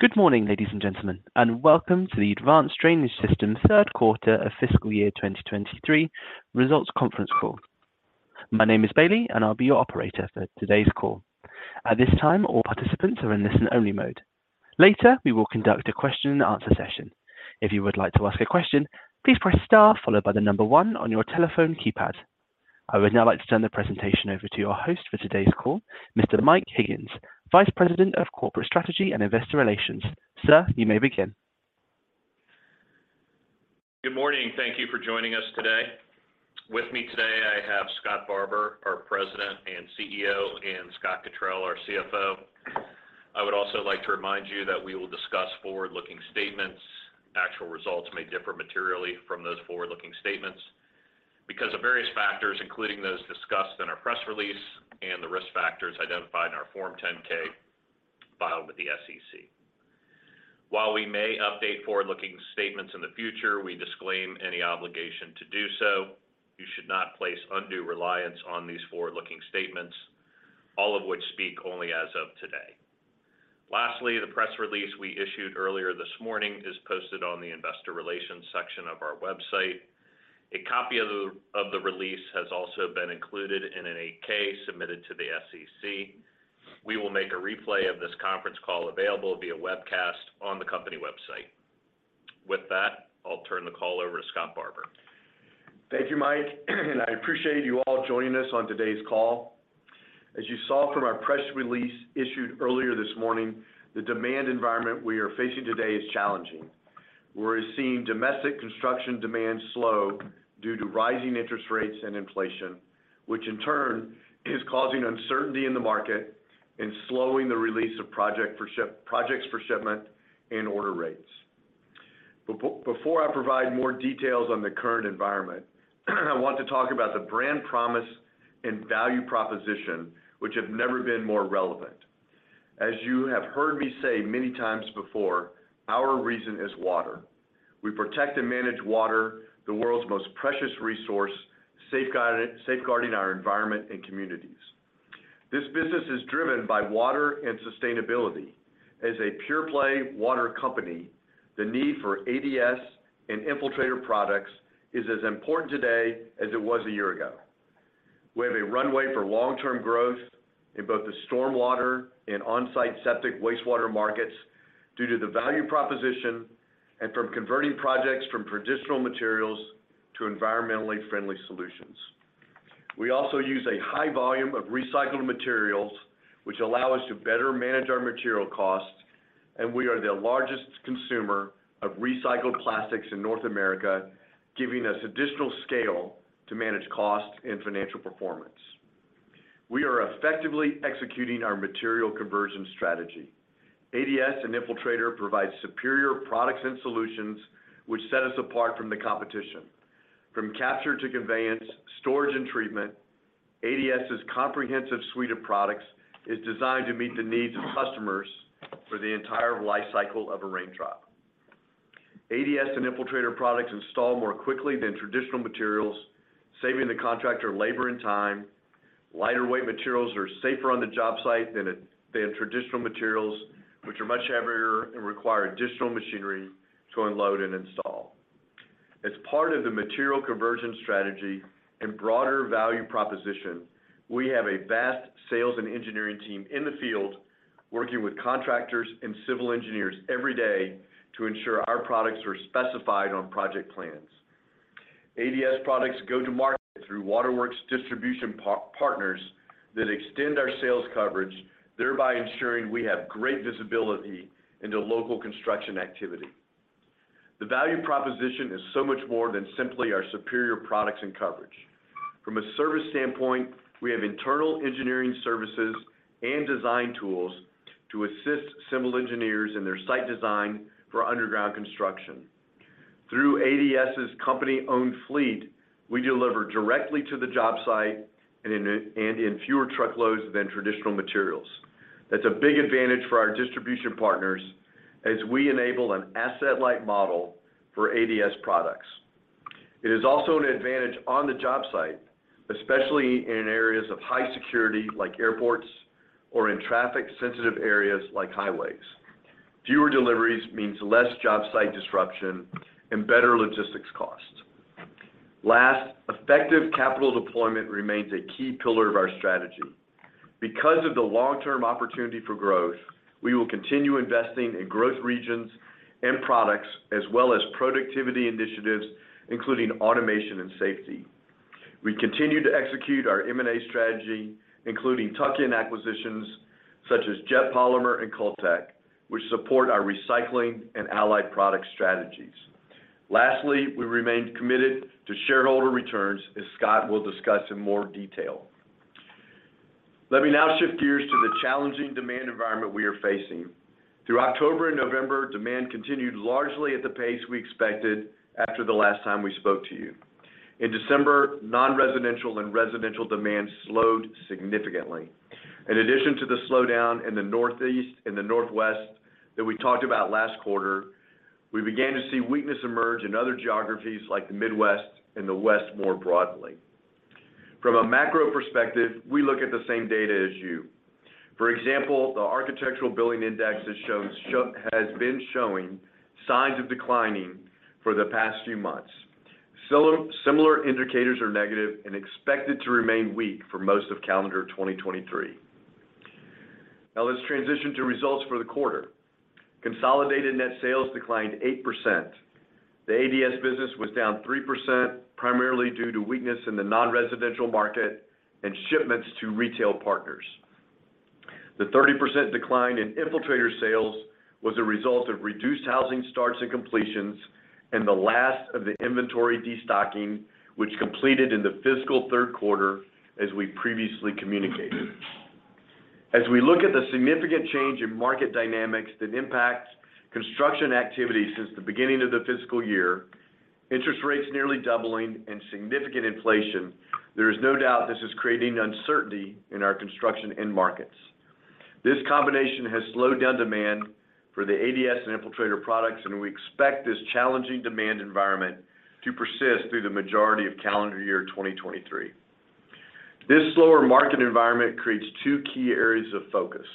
Good morning, ladies and gentlemen, and welcome to the Advanced Drainage Systems third quarter of fiscal year 2023 results conference call. My name is Bailey, and I'll be your operator for today's call. At this time, all participants are in listen-only mode. Later, we will conduct a question and answer session. If you would like to ask a question, please press star followed by the number one on your telephone keypad. I would now like to turn the presentation over to your host for today's call, Mr. Mike Higgins, Vice President of Corporate Strategy and Investor Relations. Sir, you may begin. Good morning. Thank you for joining us today. With me today, I have Scott Barbour, our President and CEO, and Scott Cottrill, our CFO. I would also like to remind you that we will discuss forward-looking statements. Actual results may differ materially from those forward-looking statements because of various factors, including those discussed in our press release and the risk factors identified in our Form 10-K filed with the SEC. While we may update forward-looking statements in the future, we disclaim any obligation to do so. You should not place undue reliance on these forward-looking statements, all of which speak only as of today. Lastly, the press release we issued earlier this morning is posted on the investor relations section of our website. A copy of the release has also been included in an 8-K submitted to the SEC. We will make a replay of this conference call available via webcast on the company website. With that, I'll turn the call over to Scott Barbour. Thank you, Mike, and I appreciate you all joining us on today's call. As you saw from our press release issued earlier this morning, the demand environment we are facing today is challenging. We're seeing domestic construction demand slow due to rising interest rates and inflation, which in turn is causing uncertainty in the market and slowing the release of projects for shipment and order rates. Before I provide more details on the current environment, I want to talk about the brand promise and value proposition, which have never been more relevant. As you have heard me say many times before, our reason is water. We protect and manage water, the world's most precious resource, safeguarding our environment and communities. This business is driven by water and sustainability. As a pure play water company, the need for ADS and Infiltrator products is as important today as it was a year ago. We have a runway for long-term growth in both the stormwater and on-site septic wastewater markets due to the value proposition and from converting projects from traditional materials to environmentally friendly solutions. We also use a high volume of recycled materials, which allow us to better manage our material costs, and we are the largest consumer of recycled plastics in North America, giving us additional scale to manage cost and financial performance. We are effectively executing our material conversion strategy. ADS and Infiltrator provide superior products and solutions which set us apart from the competition. From capture to conveyance, storage, and treatment, ADS's comprehensive suite of products is designed to meet the needs of customers for the entire life cycle of a raindrop. ADS and Infiltrator products install more quickly than traditional materials, saving the contractor labor and time. Lighter weight materials are safer on the job site than traditional materials, which are much heavier and require additional machinery to unload and install. As part of the material conversion strategy and broader value proposition, we have a vast sales and engineering team in the field working with contractors and civil engineers every day to ensure our products are specified on project plans. ADS products go to market through waterworks distribution part-partners that extend our sales coverage, thereby ensuring we have great visibility into local construction activity. The value proposition is so much more than simply our superior products and coverage. From a service standpoint, we have internal engineering services and design tools to assist civil engineers in their site design for underground construction. Through ADS's company-owned fleet, we deliver directly to the job site and in fewer truckloads than traditional materials. That's a big advantage for our distribution partners as we enable an asset-light model for ADS products. It is also an advantage on the job site, especially in areas of high security like airports or in traffic-sensitive areas like highways. Fewer deliveries means less job site disruption and better logistics costs. Last, effective capital deployment remains a key pillar of our strategy. Because of the long-term opportunity for growth, we will continue investing in growth regions and products as well as productivity initiatives, including automation and safety. We continue to execute our M&A strategy, including tuck-in acquisitions such as Jet Polymer and Cultec, which support our recycling and allied product strategies. Lastly, we remain committed to shareholder returns, as Scott will discuss in more detail. Let me now shift gears to the challenging demand environment we are facing. Through October and November, demand continued largely at the pace we expected after the last time we spoke to you. In December, non-residential and residential demand slowed significantly. In addition to the slowdown in the Northeast and the Northwest that we talked about last quarter, we began to see weakness emerge in other geographies like the Midwest and the West more broadly. From a macro perspective, we look at the same data as you. For example, the Architecture Billings Index has been showing signs of declining for the past few months. Similar indicators are negative and expected to remain weak for most of calendar 2023. Now let's transition to results for the quarter. Consolidated net sales declined 8%. The ADS business was down 3%, primarily due to weakness in the non-residential market and shipments to retail partners. The 30% decline in Infiltrator sales was a result of reduced housing starts and completions and the last of the inventory destocking which completed in the fiscal third quarter as we previously communicated. As we look at the significant change in market dynamics that impacts construction activity since the beginning of the fiscal year, interest rates nearly doubling and significant inflation, there is no doubt this is creating uncertainty in our construction end markets. This combination has slowed down demand for the ADS and Infiltrator products, and we expect this challenging demand environment to persist through the majority of calendar year 2023. This slower market environment creates two key areas of focus.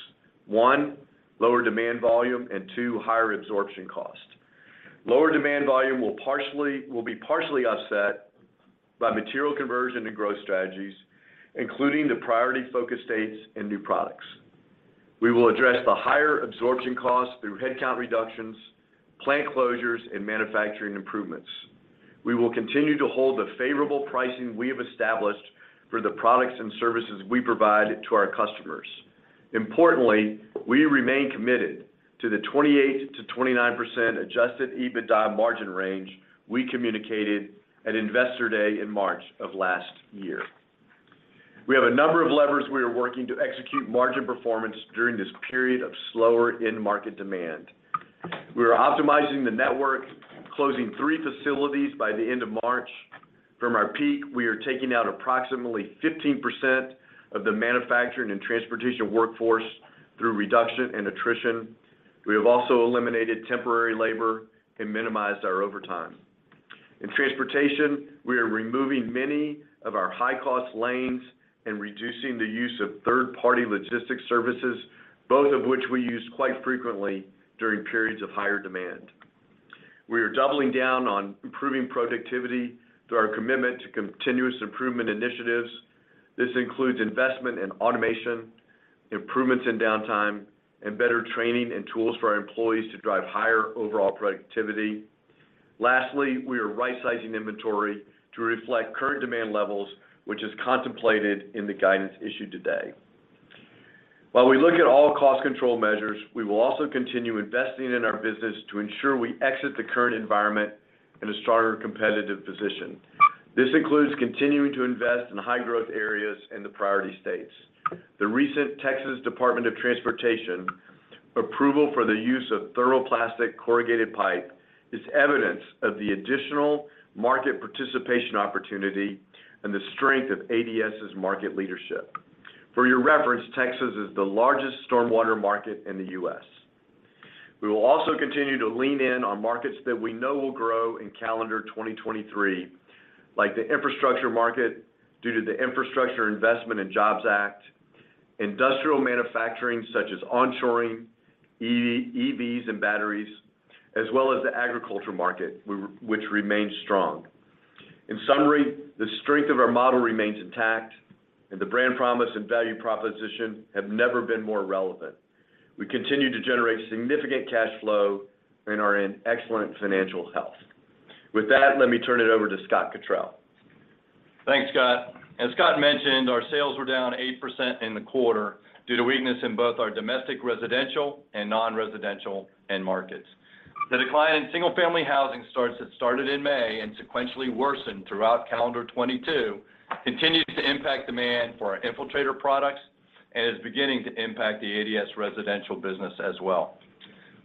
One, lower demand volume, and two, higher absorption cost. Lower demand volume will be partially offset by material conversion and growth strategies, including the priority focus states and new products. We will address the higher absorption costs through headcount reductions, plant closures, and manufacturing improvements. We will continue to hold the favorable pricing we have established for the products and services we provide to our customers. Importantly, we remain committed to the 28%-29% Adjusted EBITDA margin range we communicated at Investor Day in March of last year. We have a number of levers we are working to execute margin performance during this period of slower end market demand. We are optimizing the network, closing three facilities by the end of March. From our peak, we are taking out approximately 15% of the manufacturing and transportation workforce through reduction and attrition. We have also eliminated temporary labor and minimized our overtime. In transportation, we are removing many of our high-cost lanes and reducing the use of third-party logistics services, both of which we use quite frequently during periods of higher demand. We are doubling down on improving productivity through our commitment to continuous improvement initiatives. This includes investment in automation, improvements in downtime, and better training and tools for our employees to drive higher overall productivity. Lastly, we are rightsizing inventory to reflect current demand levels, which is contemplated in the guidance issued today. While we look at all cost control measures, we will also continue investing in our business to ensure we exit the current environment in a stronger competitive position. This includes continuing to invest in high-growth areas in the priority states. The recent Texas Department of Transportation approval for the use of thermoplastic corrugated pipe is evidence of the additional market participation opportunity and the strength of ADS's market leadership. For your reference, Texas is the largest stormwater market in the U.S. We will also continue to lean in on markets that we know will grow in calendar 2023, like the infrastructure market due to the Infrastructure Investment and Jobs Act, industrial manufacturing such as onshoring, EVs and batteries, as well as the agriculture market which remains strong. In summary, the strength of our model remains intact and the brand promise and value proposition have never been more relevant. We continue to generate significant cash flow and are in excellent financial health. With that, let me turn it over to Scott Cottrill. Thanks, Scott. As Scott mentioned, our sales were down 8% in the quarter due to weakness in both our domestic, residential and non-residential end markets. The decline in single-family housing starts that started in May and sequentially worsened throughout calendar 2022 continues to impact demand for our Infiltrator products and is beginning to impact the ADS residential business as well.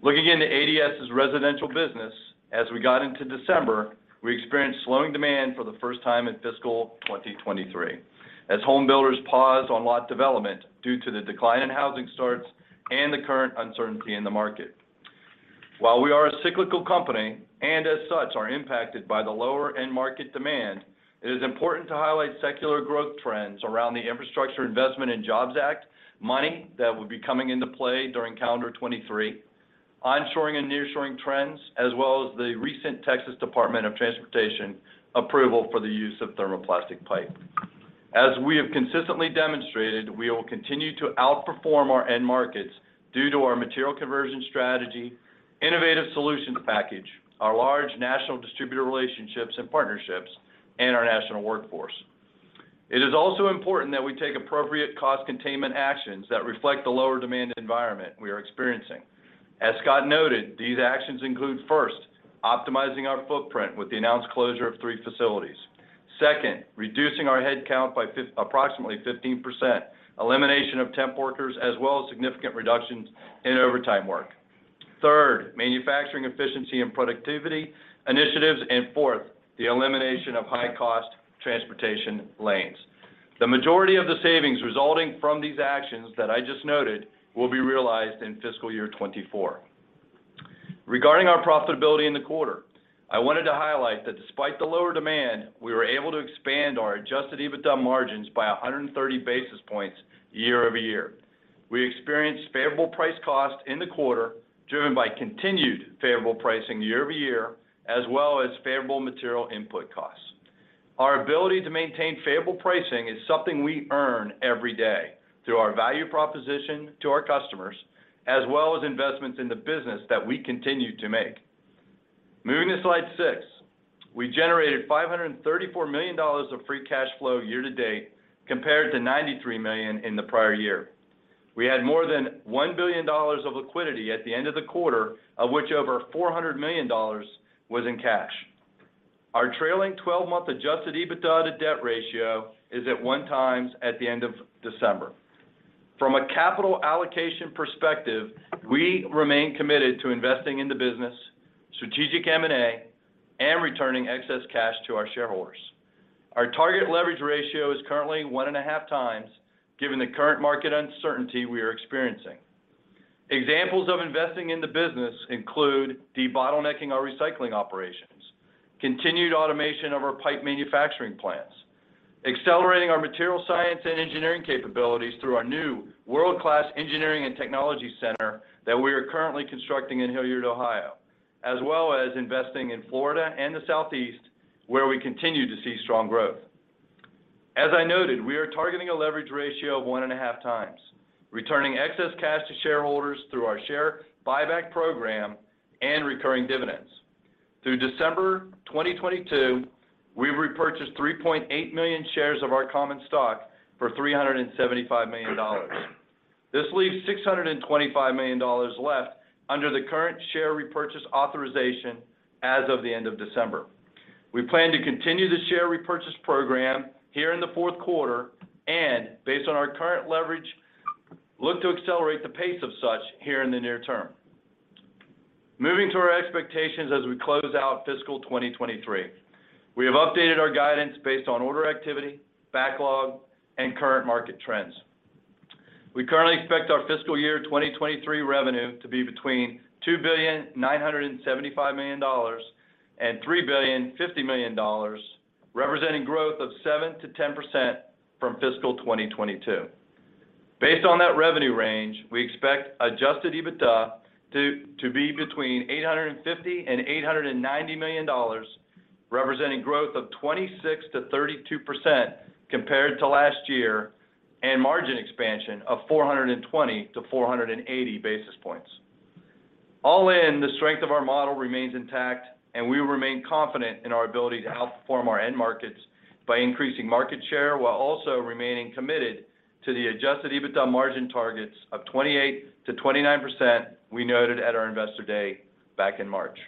Looking into ADS's residential business, as we got into December, we experienced slowing demand for the first time in fiscal 2023 as home builders paused on lot development due to the decline in housing starts and the current uncertainty in the market. While we are a cyclical company and as such are impacted by the lower end market demand, it is important to highlight secular growth trends around the Infrastructure Investment and Jobs Act, money that will be coming into play during calendar 2023, onshoring and nearshoring trends, as well as the recent Texas Department of Transportation approval for the use of thermoplastic pipe. As we have consistently demonstrated, we will continue to outperform our end markets due to our material conversion strategy, innovative solutions package, our large national distributor relationships and partnerships and our national workforce. It is also important that we take appropriate cost containment actions that reflect the lower demand environment we are experiencing. As Scott noted, these actions include, first, optimizing our footprint with the announced closure of three facilities. Second, reducing our headcount by approximately 15%, elimination of temp workers as well as significant reductions in overtime work. Third, manufacturing efficiency and productivity initiatives. Fourth, the elimination of high-cost transportation lanes. The majority of the savings resulting from these actions that I just noted will be realized in fiscal year 2024. Regarding our profitability in the quarter, I wanted to highlight that despite the lower demand, we were able to expand our Adjusted EBITDA margins by 130 basis points year-over-year. We experienced favorable price cost in the quarter, driven by continued favorable pricing year-over-year, as well as favorable material input costs. Our ability to maintain favorable pricing is something we earn every day through our value proposition to our customers, as well as investments in the business that we continue to make. Moving to Slide 6. We generated $534 million of free cash flow year-to-date compared to $93 million in the prior year. We had more than $1 billion of liquidity at the end of the quarter, of which over $400 million was in cash. Our trailing twelve-month Adjusted EBITDA debt ratio is at 1x at the end of December. From a capital allocation perspective, we remain committed to investing in the business, strategic M&A, and returning excess cash to our shareholders. Our target leverage ratio is currently 1.5x, given the current market uncertainty we are experiencing. Examples of investing in the business include debottlenecking our recycling operations, continued automation of our pipe manufacturing plants, accelerating our material science and engineering capabilities through our new world-class engineering and technology center that we are currently constructing in Hilliard, Ohio, as well as investing in Florida and the Southeast, where we continue to see strong growth. As I noted, we are targeting a leverage ratio of 1.5x, returning excess cash to shareholders through our share buyback program and recurring dividends. Through December 2022, we repurchased 3.8 million shares of our common stock for $375 million. This leaves $625 million left under the current share repurchase authorization as of the end of December. We plan to continue the share repurchase program here in the fourth quarter and based on our current leverage, look to accelerate the pace of such here in the near term. Moving to our expectations as we close out fiscal 2023. We have updated our guidance based on order activity, backlog, and current market trends. We currently expect our fiscal year 2023 revenue to be between $2.975 billion and $3.05 billion, representing growth of 7%-10% from fiscal 2022. Based on that revenue range, we expect Adjusted EBITDA to be between $850 million and $890 million, representing growth of 26%-32% compared to last year and margin expansion of 420-480 basis points. All in, the strength of our model remains intact, and we remain confident in our ability to help form our end markets by increasing market share while also remaining committed to the Adjusted EBITDA margin targets of 28%-29% we noted at our Investor Day back in March.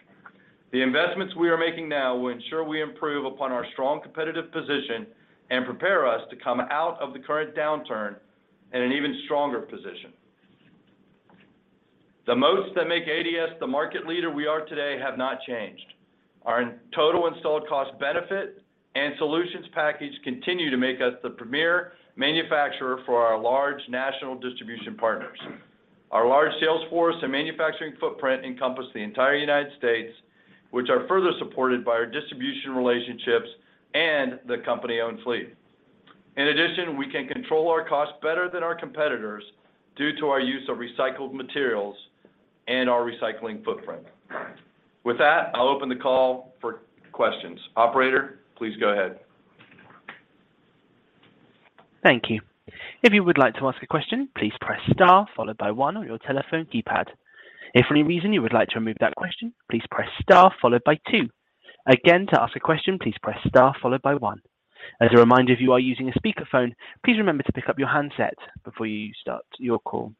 The investments we are making now will ensure we improve upon our strong competitive position and prepare us to come out of the current downturn in an even stronger position. The moats that make ADS the market leader we are today have not changed. Our total installed cost benefit and solutions package continue to make us the premier manufacturer for our large national distribution partners. Our large sales force and manufacturing footprint encompass the entire United States, which are further supported by our distribution relationships and the company-owned fleet. In addition, we can control our costs better than our competitors due to our use of recycled materials and our recycling footprint. With that, I'll open the call for questions. Operator, please go ahead. Thank you. If you would like to ask a question, please press star followed by one on your telephone keypad. If for any reason you would like to remove that question, please press star followed by two. Again, to ask a question, please press star followed by one. As a reminder, if you are using a speakerphone, please remember to pick up your handset before you start your call.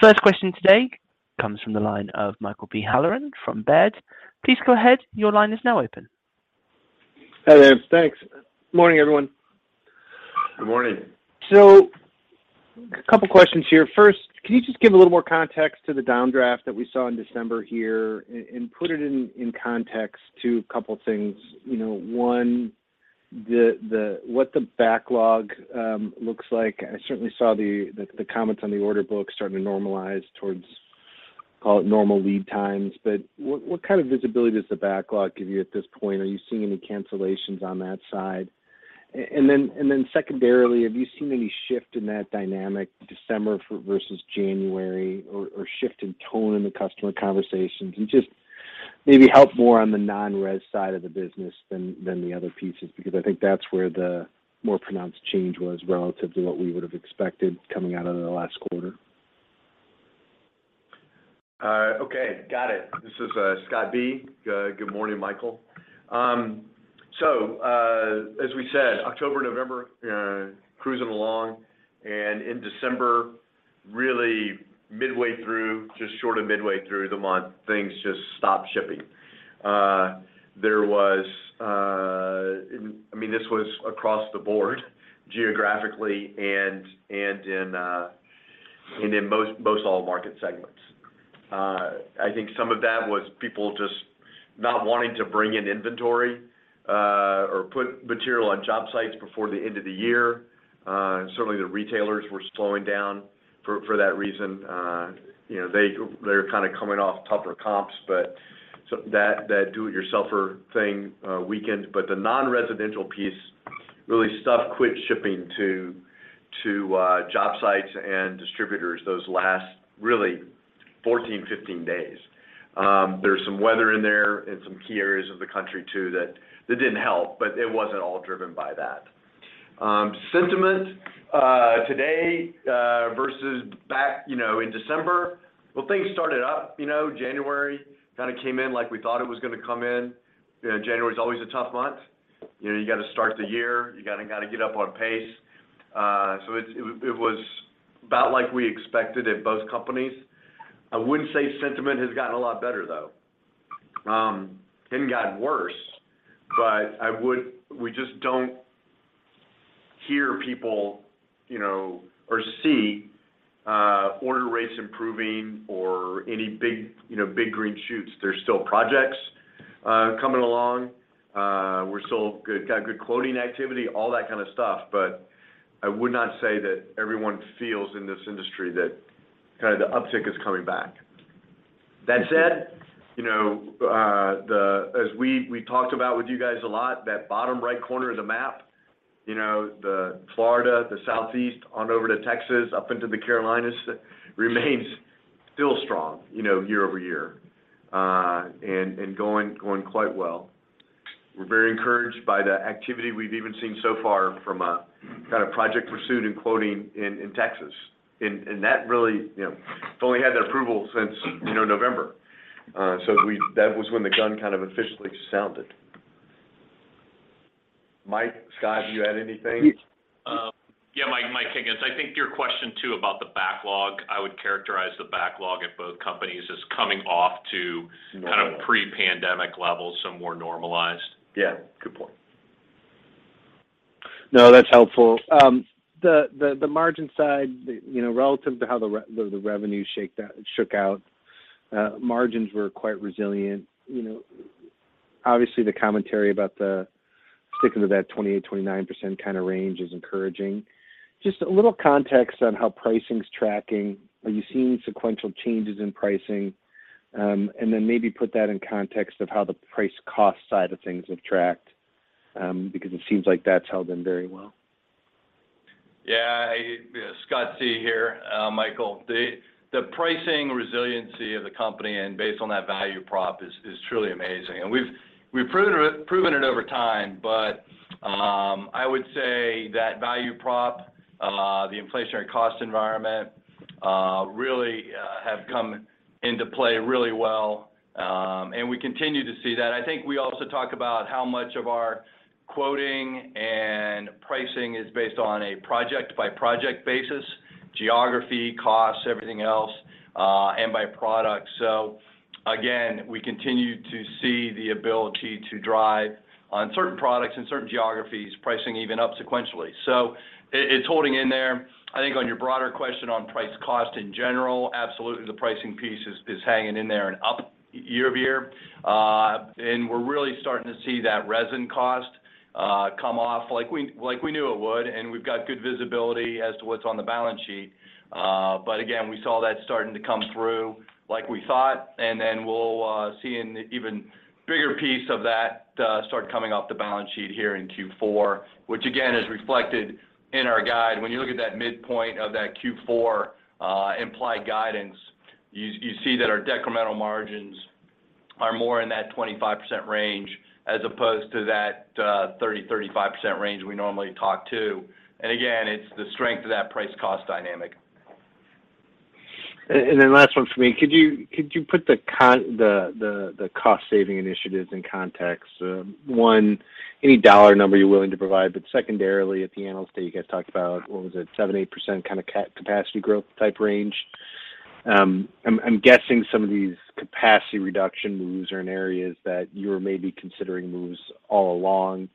First question today comes from the line of Michael B. Halloran from Baird. Please go ahead. Your line is now open. Hi there. Thanks. Morning, everyone. Good morning. A couple questions here. First, can you just give a little more context to the downdraft that we saw in December here and put it in context to a couple of things? You know, one, the what the backlog looks like. I certainly saw the comments on the order book starting to normalize towards, call it, normal lead times. What kind of visibility does the backlog give you at this point? Are you seeing any cancellations on that side? And then secondarily, have you seen any shift in that dynamic December versus January or shift in tone in the customer conversations? Just maybe help more on the non-res side of the business than the other pieces, because I think that's where the more pronounced change was relative to what we would have expected coming out of the last quarter. Okay. Got it. This is Scott B. Good morning, Michael. As we said, October, November, cruising along. In December, really midway through, just short of midway through the month, things just stopped shipping. There was... I mean, this was across the board geographically and in, and in most all market segments. I think some of that was people just not wanting to bring in inventory, or put material on job sites before the end of the year. Certainly the retailers were slowing down for that reason. You know, they're kind of coming off tougher comps. So that do-it-yourselfer thing weakened. The non-residential piece really stuff quit shipping to job sites and distributors those last really 14, 15 days. There's some weather in there in some key areas of the country too that didn't help, but it wasn't all driven by that. Sentiment today versus back, you know, in December. Things started up, you know, January kind of came in like we thought it was gonna come in. You know, January's always a tough month. You know, you got to start the year, you gotta get up on pace. It was about like we expected at both companies. I wouldn't say sentiment has gotten a lot better though. It hadn't gotten worse, but we just don't hear people, you know, or see order rates improving or any big, you know, big green shoots. There's still projects coming along. We're still got good quoting activity, all that kind of stuff. I would not say that everyone feels in this industry that kind of the uptick is coming back. That said, you know, as we talked about with you guys a lot, that bottom right corner of the map, you know, the Florida, the Southeast on over to Texas, up into the Carolinas remains still strong, you know, year-over-year, and going quite well. We're very encouraged by the activity we've even seen so far from a kind of project pursuit in quoting in Texas. That really, you know, it's only had the approval since, you know, November. That was when the gun kind of officially sounded. Mike, Scott, do you add anything? Mike Higgins. I think your question, too, about the backlog, I would characterize the backlog at both companies as coming off. Yeah kind of pre-pandemic levels, so more normalized. Yeah. Good point. No, that's helpful. The margin side, you know, relative to how the revenue shook out, margins were quite resilient. You know, obviously, the commentary about the sticking to that 28%-29% kinda range is encouraging. Just a little context on how pricing's tracking. Are you seeing sequential changes in pricing? Maybe put that in context of how the price cost side of things have tracked, because it seems like that's held in very well. Yeah. Yeah. Scott C. here, Michael. The pricing resiliency of the company and based on that value prop is truly amazing. We've proven it over time. I would say that value prop, the inflationary cost environment, really have come into play really well. We continue to see that. I think we also talk about how much of our quoting and pricing is based on a project-by-project basis, geography, costs, everything else, and by product. Again, we continue to see the ability to drive on certain products and certain geographies, pricing even up sequentially. It's holding in there. I think on your broader question on price cost in general, absolutely the pricing piece is hanging in there and up year-over-year. We're really starting to see that resin cost come off like we knew it would, and we've got good visibility as to what's on the balance sheet. Again, we saw that starting to come through like we thought. We'll see an even bigger piece of that start coming off the balance sheet here in Q4, which again is reflected in our guide. When you look at that midpoint of that Q4 implied guidance, you see that our decremental margins are more in that 25% range as opposed to that 30%-35% range we normally talk to. Again, it's the strength of that price cost dynamic. Then last one for me. Could you put the cost saving initiatives in context? One, any dollar number you're willing to provide. Secondarily, at the analyst day, you guys talked about, what was it, 7%-8% kinda capacity growth type range. I'm guessing some of these capacity reduction moves are in areas that you're maybe considering moves all along.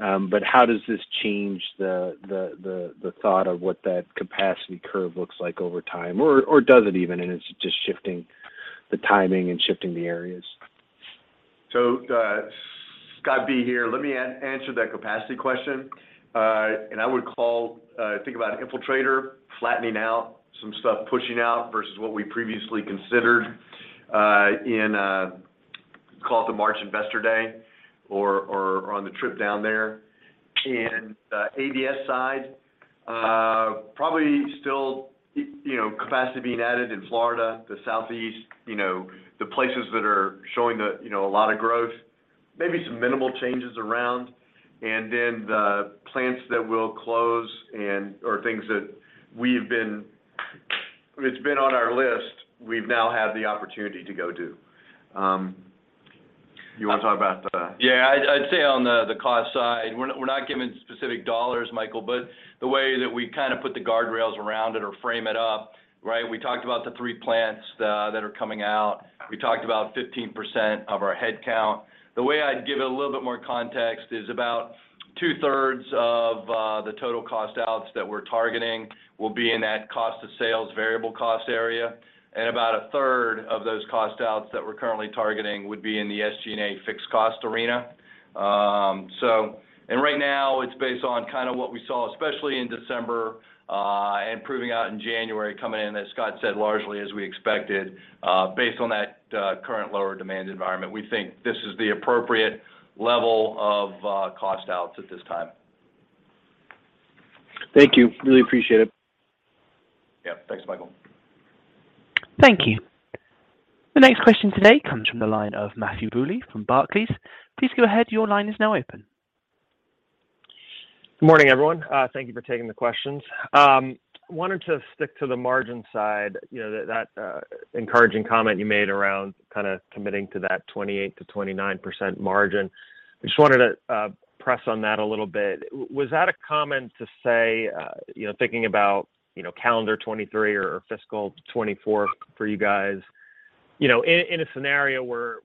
How does this change the thought of what that capacity curve looks like over time? Or does it even, it's just shifting the timing and shifting the areas? Scott B. here. Let me answer that capacity question. I would call, think about Infiltrator flattening out some stuff, pushing out versus what we previously considered, in, call it the March Investor Day or on the trip down there. In the ADS side, probably still you know, capacity being added in Florida, the Southeast, you know, the places that are showing the, you know, a lot of growth. Maybe some minimal changes around. The plants that we'll close or things that it's been on our list, we've now had the opportunity to go do. You wanna talk about. Yeah. I'd say on the cost side, we're not, we're not giving specific dollars, Michael, but the way that we kinda put the guardrails around it or frame it up, right? We talked about the three plants that are coming out. We talked about 15% of our headcount. The way I'd give it a little bit more context is about two-thirds of the total cost outs that we're targeting will be in that cost of sales variable cost area. About 1/3 of those cost outs that we're currently targeting would be in the SG&A fixed cost arena. Right now it's based on kind of what we saw, especially in December, and proving out in January coming in, as Scott said, largely as we expected, based on that current lower demand environment. We think this is the appropriate level of cost outs at this time. Thank you. Really appreciate it. Yeah. Thanks, Michael. Thank you. The next question today comes from the line of Matthew Bouley from Barclays. Please go ahead. Your line is now open. Good morning, everyone. Thank you for taking the questions. Wanted to stick to the margin side, you know, that encouraging comment you made around kind of committing to that 28%-29% margin. I just wanted to press on that a little bit. Was that a comment to say, you know, thinking about, you know, calendar 2023 or fiscal 2024 for you guys, you know, in a scenario where,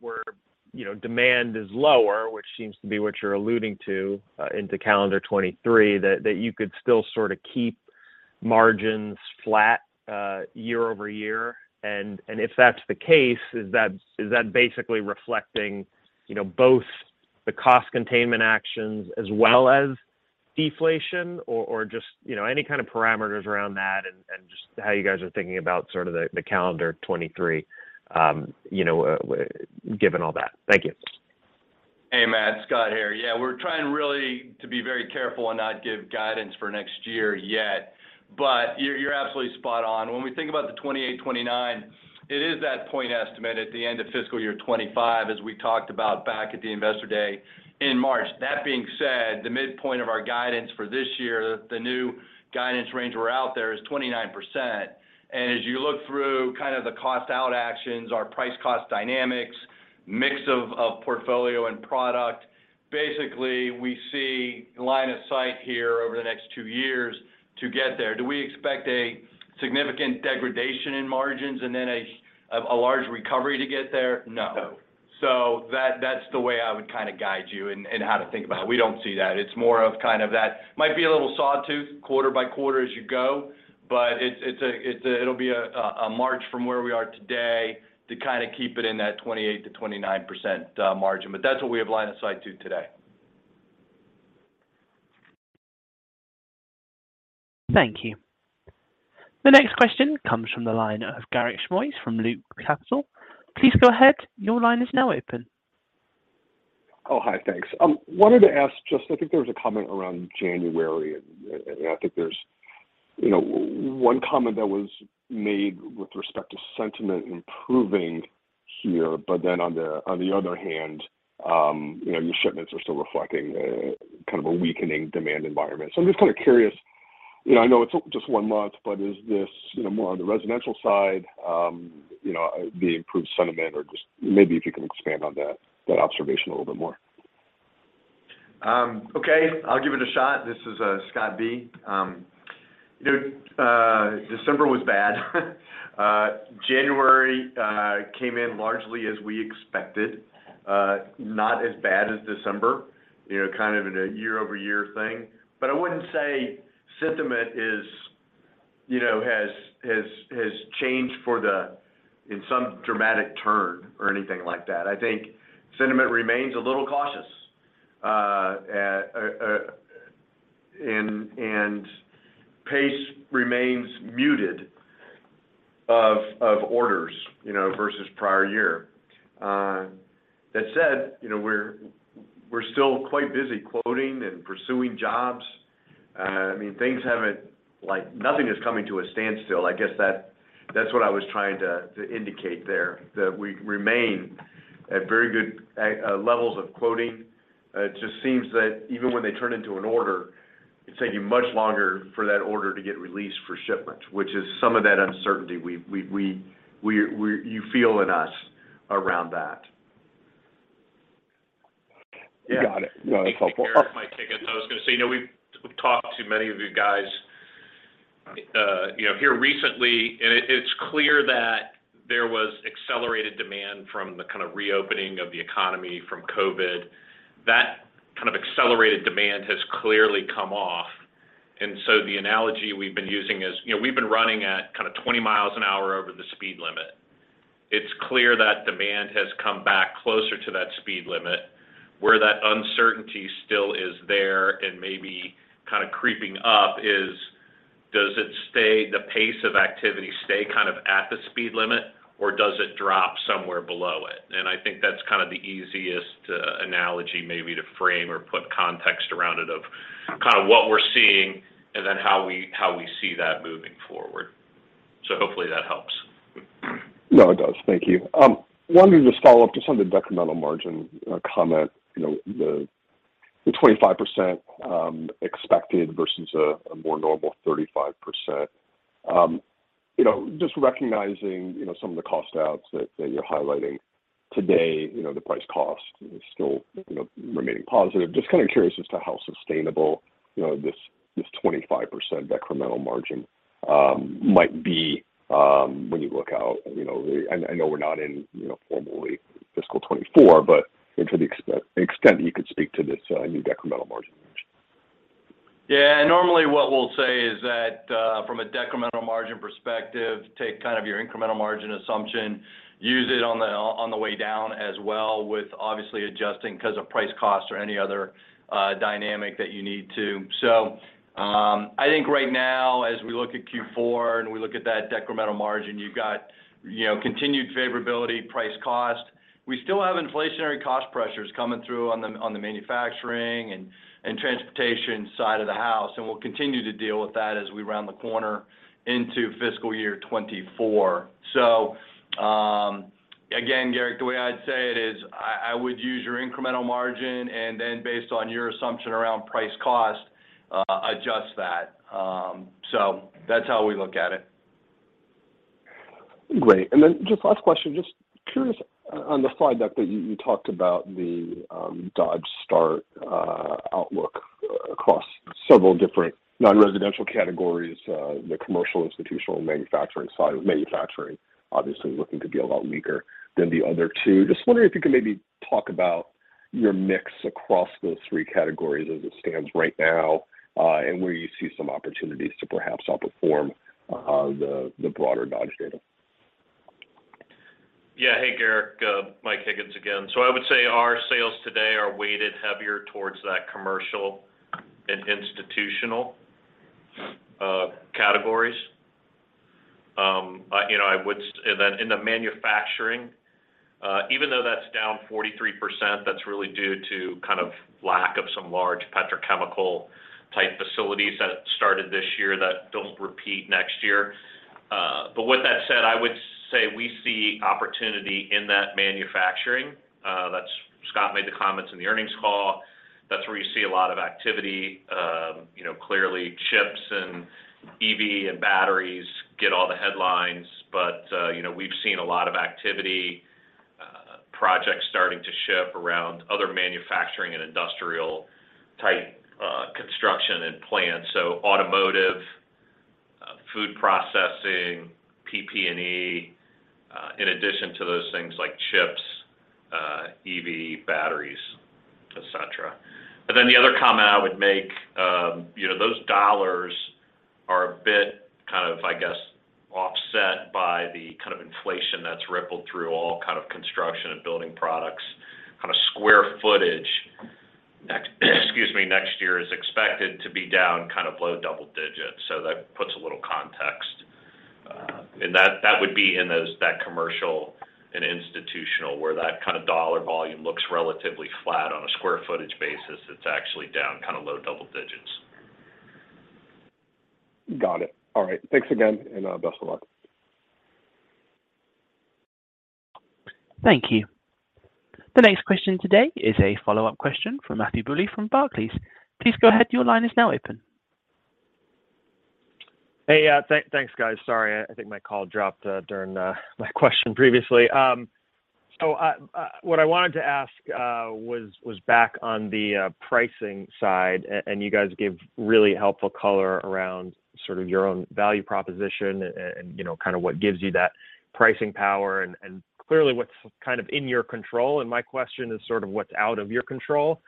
you know, demand is lower, which seems to be what you're alluding to, into calendar 2023, that you could still sort of keep margins flat, year-over-year? If that's the case, is that basically reflecting, you know, both the cost containment actions as well as deflation or just, you know, any kind of parameters around that and just how you guys are thinking about sort of the calendar 2023, you know, given all that? Thank you. Hey, Matt, Scott here. Yeah, we're trying really to be very careful and not give guidance for next year yet, but you're absolutely spot on. When we think about the 28%, 29%, it is that point estimate at the end of fiscal year 2025 as we talked about back at the Investor Day in March. That being said, the midpoint of our guidance for this year, the new guidance range we're out there is 29%. As you look through kind of the cost out actions, our price cost dynamics, mix of portfolio and product, basically we see line of sight here over the next two years to get there. Do we expect a significant degradation in margins and then a large recovery to get there? No. That's the way I would kind of guide you in how to think about it. We don't see that. It's more of kind of that might be a little sawtooth quarter by quarter as you go, but it'll be a march from where we are today to kind of keep it in that 28%-29% margin. That's what we have line of sight to today. Thank you. The next question comes from the line of Garik Shmois from Loop Capital. Please go ahead. Your line is now open. Oh, hi. Thanks. wanted to ask just I think there was a comment around January, and I think there's, you know, one comment that was made with respect to sentiment improving here. On the other hand, you know, your shipments are still reflecting kind of a weakening demand environment. I'm just kind of curious, you know, I know it's just one month, but is this, you know, more on the residential side, you know, the improved sentiment or just maybe if you can expand on that observation a little bit more? Okay, I'll give it a shot. This is Scott B. You know, December was bad. January came in largely as we expected. Not as bad as December, you know, kind of in a year-over-year thing. I wouldn't say sentiment is, you know, has changed in some dramatic turn or anything like that. I think sentiment remains a little cautious, in and pace remains muted of orders, you know, versus prior year. That said, you know, we're still quite busy quoting and pursuing jobs. I mean, things haven't. Like nothing is coming to a standstill. I guess that's what I was trying to indicate there. That we remain at very good a-levels of quoting. It just seems that even when they turn into an order, it's taking much longer for that order to get released for shipment, which is some of that uncertainty you feel in us around that. Got it. No, that's helpful. I was gonna say, you know, we've talked to many of you guys, you know, here recently, and it's clear that there was accelerated demand from the kind of reopening of the economy from COVID. That kind of accelerated demand has clearly come off. The analogy we've been using is, you know, we've been running at kind of 20 miles an hour over the speed limit. It's clear that demand has come back closer to that speed limit. Where that uncertainty still is there and maybe kind of creeping up is, does it stay the pace of activity stay kind of at the speed limit or does it drop somewhere below it? I think that's kind of the easiest, analogy maybe to frame or put context around it of kind of what we're seeing and then how we, how we see that moving forward. Hopefully that helps. No, it does. Thank you. Wanted to just follow up just on the incremental margin comment, you know, the 25% expected versus a more normal 35%. You know, just recognizing, you know, some of the cost outs that you're highlighting today, you know, the price cost is still, you know, remaining positive. Just kind of curious as to how sustainable, you know, this 25% incremental margin might be when you look out. You know, I know we're not in, you know, formally fiscal 2024, but to the extent you could speak to this new decremental margin. Yeah. Normally what we'll say is that, from a decremental margin perspective, take kind of your incremental margin assumption, use it on the, on the way down as well with obviously adjusting 'cause of price cost or any other dynamic that you need to. I think right now as we look at Q4 and we look at that decremental margin, you've got, you know, continued favorability price cost. We still have inflationary cost pressures coming through on the, on the manufacturing and transportation side of the house, and we'll continue to deal with that as we round the corner into fiscal year 2024. Again, Garik, the way I'd say it is I would use your incremental margin, and then based on your assumption around price cost, adjust that. That's how we look at it. Great. Just last question, just curious, on the slide deck that you talked about the Dodge start outlook across several different non-residential categories, the commercial, institutional, manufacturing side of manufacturing obviously looking to be a lot weaker than the other two. Just wondering if you could maybe talk about your mix across those three categories as it stands right now, and where you see some opportunities to perhaps outperform the broader [Dodge] data? Yeah. Hey, Garik, Mike Higgins again. I would say our sales today are weighted heavier towards that commercial and institutional categories. You know, in the manufacturing, even though that's down 43%, that's really due to kind of lack of some large petrochemical type facilities that started this year that don't repeat next year. With that said, I would say we see opportunity in that manufacturing. Scott made the comments in the earnings call. That's where you see a lot of activity. You know, clearly chips and EV and batteries get all the headlines, you know, we've seen a lot of activity, projects starting to ship around other manufacturing and industrial type, construction and plants. Automotive, food processing, PP&E, in addition to those things like chips, EV batteries, et cetera. The other comment I would make, you know, those dollars are a bit kind of, I guess, offset by the kind of inflation that's rippled through all kind of construction and building products. Square footage next year is expected to be down kind of low double digits. That puts a little context. That would be in those, that commercial and institutional where that kind of dollar volume looks relatively flat. On a square footage basis, it's actually down kind of low double digits. Got it. All right. Thanks again and best of luck. Thank you. The next question today is a follow-up question from Matthew Bouley from Barclays. Please go ahead. Your line is now open. Hey. Yeah. Thanks, guys. Sorry, I think my call dropped during my question previously. So what I wanted to ask was back on the pricing side, and you guys gave really helpful color around sort of your own value proposition and, you know, kind of what gives you that pricing power and clearly what's kind of in your control. My question is sort of what's out of your control.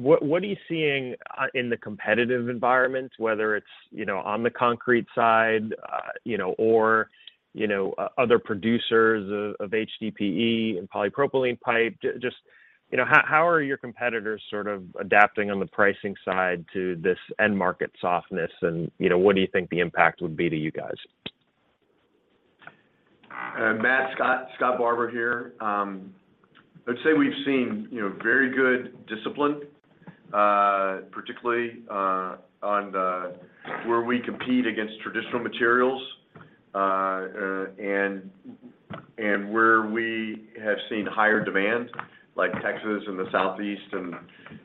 What are you seeing in the competitive environment, whether it's, you know, on the concrete side, you know, or, you know, other producers of HDPE and polypropylene pipe? Just, you know, how are your competitors sort of adapting on the pricing side to this end market softness? You know, what do you think the impact would be to you guys? Matt, Scott Barbour here. I would say we've seen, you know, very good discipline, particularly on the, where we compete against traditional materials, and where we have seen higher demand like Texas and the Southeast and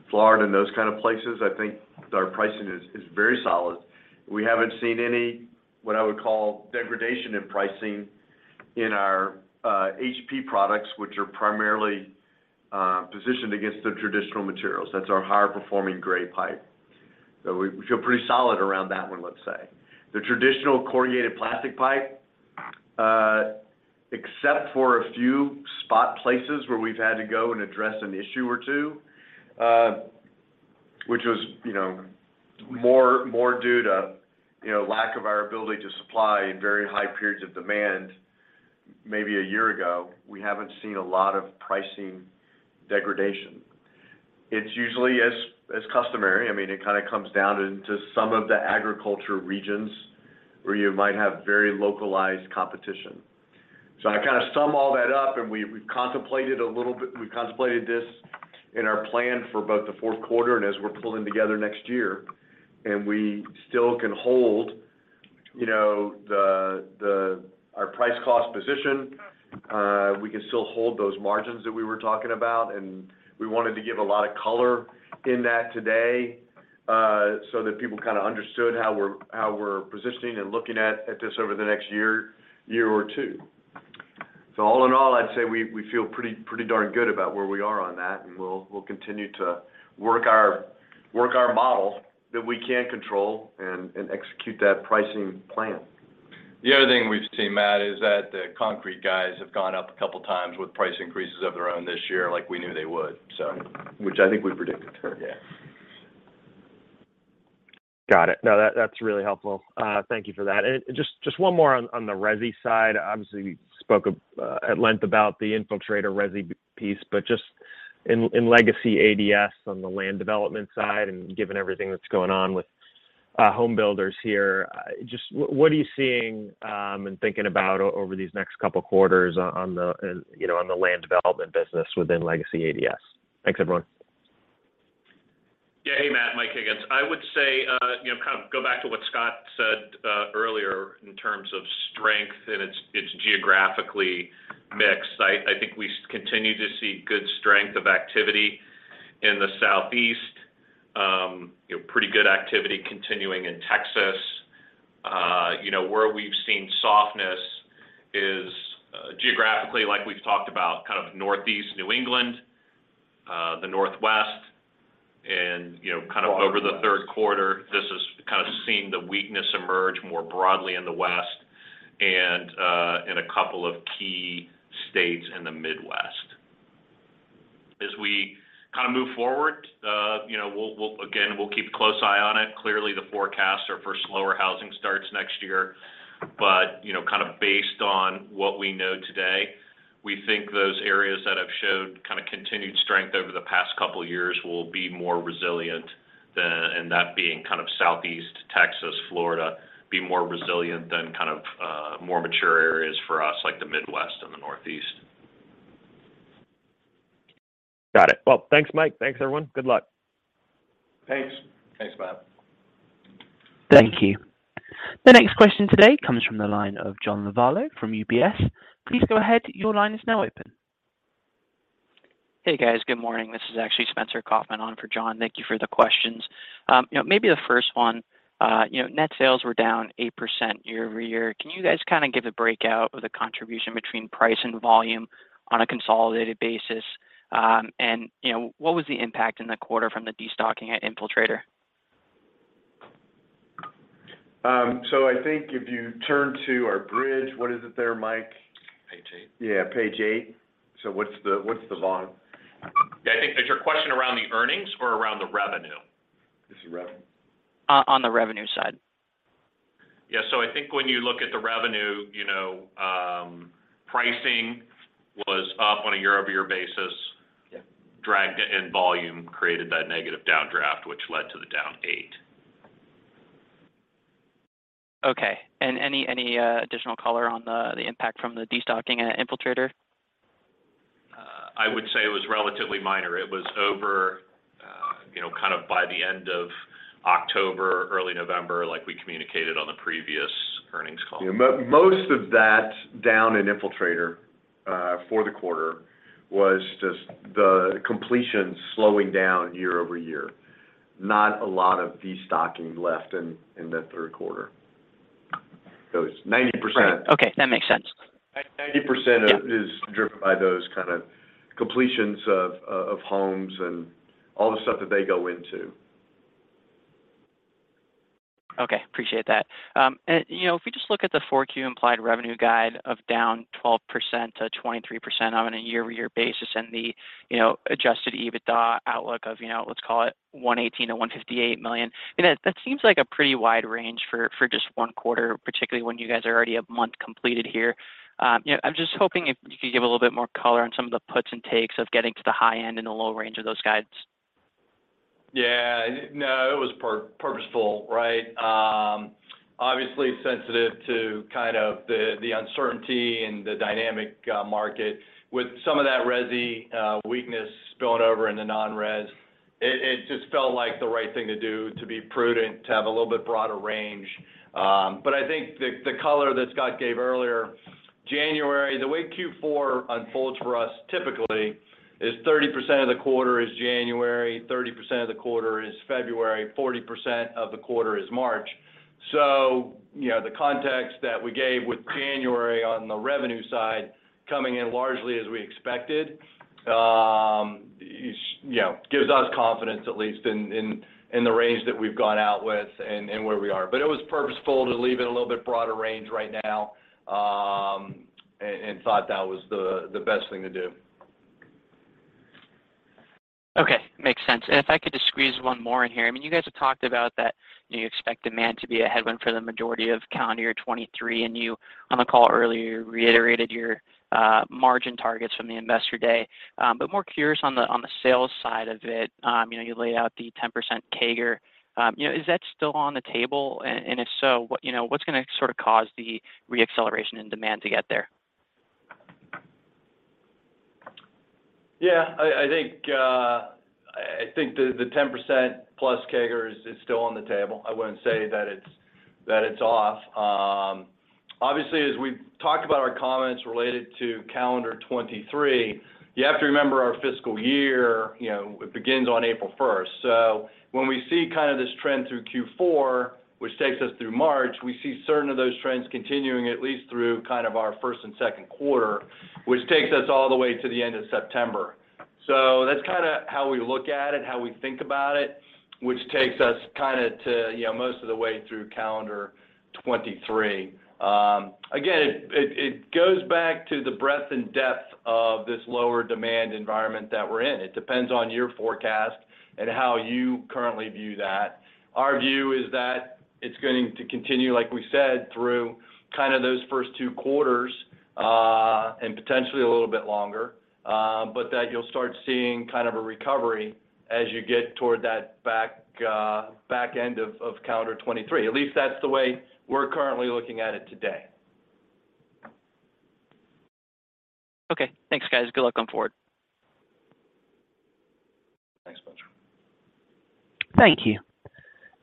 Florida and those kind of places. I think our pricing is very solid. We haven't seen any, what I would call degradation in pricing in our HP products, which are primarily positioned against the traditional materials. That's our higher performing gray pipe. We feel pretty solid around that one, let's say. The traditional corrugated plastic pipe, except for a few spot places where we've had to go and address an issue or two, which was, you know, more due to, you know, lack of our ability to supply in very high periods of demand maybe a year ago. We haven't seen a lot of pricing degradation. It's usually as customary. I mean, it kind of comes down into some of the agriculture regions where you might have very localized competition. I kind of sum all that up, and we've contemplated a little bit. We've contemplated this in our plan for both the fourth quarter and as we're pulling together next year, and we still can hold, you know, the, our price cost position. We can still hold those margins that we were talking about, and we wanted to give a lot of color in that today, so that people kind of understood how we're positioning and looking at this over the next year or two. All in all, I'd say we feel pretty darn good about where we are on that, and we'll continue to work our model that we can control and execute that pricing plan. The other thing we've seen, Matt, is that the concrete guys have gone up a couple times with price increases of their own this year, like we knew they would. Which I think we predicted. Yeah. Got it. No, that's really helpful. Thank you for that. Just one more on the resi side. Obviously, you spoke at length about the Infiltrator resi piece, but just in legacy ADS on the land development side, and given everything that's going on with home builders here, just what are you seeing, and thinking about over these next couple quarters on the, you know, on the land development business within legacy ADS? Thanks, everyone. Yeah. Hey, Matt. Mike Higgins. I would say, you know, kind of go back to what Scott said earlier in terms of strength and its geographically mixed. I think we continue to see good strength of activity in the southeast. You know, pretty good activity continuing in Texas. You know, where we've seen softness is geographically, like we've talked about, kind of Northeast New England, the Northwest and, you know, kind of over the third quarter, this is kind of seeing the weakness emerge more broadly in the West and in a couple of key states in the Midwest. As we kind of move forward, you know, we'll keep a close eye on it. Clearly, the forecasts are for slower housing starts next year. You know, kind of based on what we know today, we think those areas that have showed kind of continued strength over the past couple years will be more resilient than and that being kind of Southeast Texas, Florida, be more resilient than kind of more mature areas for us, like the Midwest and the Northeast. Got it. Well, thanks, Mike. Thanks, everyone. Good luck. Thanks. Thanks, Matt. Thank you. The next question today comes from the line of John Lovallo from UBS. Please go ahead. Your line is now open. Hey, guys. Good morning. This is actually Spencer Kaufman on for John. Thank you for the questions. You know, maybe the first one, you know, net sales were down 8% year-over-year. Can you guys kind of give a breakout of the contribution between price and volume on a consolidated basis? You know, what was the impact in the quarter from the destocking at Infiltrator? I think if you turn to our bridge, what is it there, Mike? Page eight. Yeah, page eight. What's the bottom? Is your question around the earnings or around the revenue? This is revenue. On the revenue side. Yeah. I think when you look at the revenue, you know, pricing was up on a year-over-year basis. Yeah. Dragged it in volume, created that negative downdraft, which led to the down 8%. Okay. Any additional color on the impact from the destocking at Infiltrator? I would say it was relatively minor. It was over, you know, kind of by the end of October, early November, like we communicated on the previous earnings call. Yeah. most of that down in Infiltrator for the quarter was just the completion slowing down year-over-year. Not a lot of destocking left in the third quarter. it's 90%- Right. Okay. That makes sense. 90%. Yeah... is driven by those kind of completions of homes and all the stuff that they go into. Okay. Appreciate that. You know, if we just look at the 4Q implied revenue guide of down 12% to 23% on a year-over-year basis and the, you know, Adjusted EBITDA outlook of, you know, let's call it $118 million-$158 million, you know, that seems like a pretty wide range for just one quarter, particularly when you guys are already one month completed here. You know, I'm just hoping if you could give a little bit more color on some of the puts and takes of getting to the high end and the low range of those guides. No, it was purposeful, right? obviously sensitive to kind of the uncertainty and the dynamic market. With some of that resi weakness spilling over into non-res, it just felt like the right thing to do to be prudent, to have a little bit broader range. I think the color that Scott gave earlier, January, the way Q4 unfolds for us typically is 30% of the quarter is January, 30% of the quarter is February, 40% of the quarter is March. You know, the context that we gave with January on the revenue side coming in largely as we expected, is, you know, gives us confidence at least in the range that we've gone out with and where we are. It was purposeful to leave it a little bit broader range right now, and thought that was the best thing to do. Okay. Makes sense. If I could just squeeze one more in here. I mean, you guys have talked about that you expect demand to be a headwind for the majority of calendar 2023, and you on the call earlier reiterated your margin targets from the Investor Day. More curious on the, on the sales side of it. You know, you lay out the 10% CAGR. You know, is that still on the table? If so, what, you know, what's gonna sort of cause the re-acceleration and demand to get there? I think the 10%+ CAGR is still on the table. I wouldn't say that it's off. Obviously, as we've talked about our comments related to calendar 2023, you have to remember our fiscal year, you know, it begins on April first. When we see kind of this trend through Q4, which takes us through March, we see certain of those trends continuing at least through kind of our first and second quarter, which takes us all the way to the end of September. That's kinda how we look at it, how we think about it, which takes us kinda to, you know, most of the way through calendar 2023. Again, it goes back to the breadth and depth of this lower demand environment that we're in. It depends on your forecast and how you currently view that. Our view is that it's going to continue, like we said, through kind of those first two quarters, and potentially a little bit longer. But that you'll start seeing kind of a recovery as you get toward that back end of calendar 2023. At least that's the way we're currently looking at it today. Okay. Thanks, guys. Good luck going forward. Thanks, Spencer. Thank you.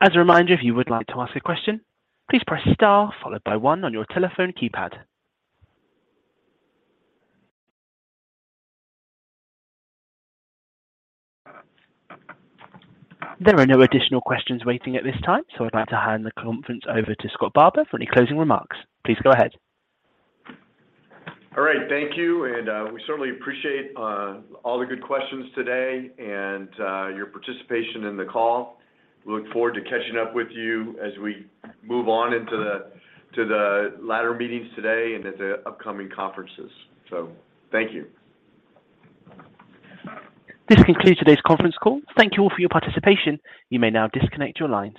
As a reminder, if you would like to ask a question, please press star followed by one on your telephone keypad. There are no additional questions waiting at this time. I'd like to hand the conference over to Scott Barbour for any closing remarks. Please go ahead. All right. Thank you, and we certainly appreciate all the good questions today and your participation in the call. We look forward to catching up with you as we move on into the latter meetings today and at the upcoming conferences. Thank you. This concludes today's conference call. Thank you all for your participation. You may now disconnect your lines.